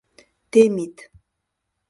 — Темит.